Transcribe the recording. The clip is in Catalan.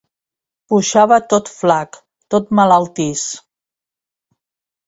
Pujava tot flac, tot malaltís…